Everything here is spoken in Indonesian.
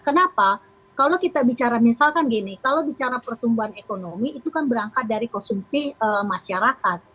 kenapa kalau kita bicara misalkan gini kalau bicara pertumbuhan ekonomi itu kan berangkat dari konsumsi masyarakat